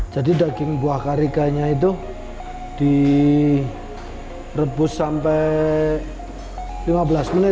jadi daging buah karikanya itu direbus sampai lima belas menit